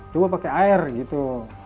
coba pake air gitu